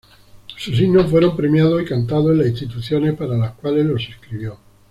Sus himnos fueron premiados y cantados en las instituciones para las cuales los escribió.